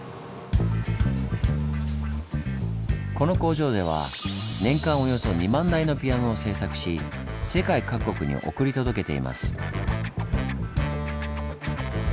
この工場では年間およそ２万台のピアノを製作し世界各国に送り届けています。